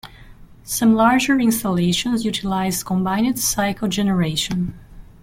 Some larger installations utilize combined cycle generation.